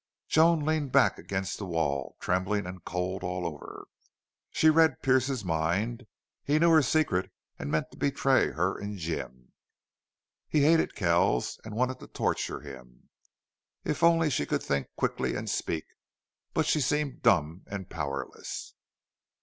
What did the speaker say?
Joan leaned back against the wall, trembling and cold all over. She read Pearce's mind. He knew her secret and meant to betray her and Jim. He hated Kells and wanted to torture him. If only she could think quickly and speak! But she seemed dumb and powerless.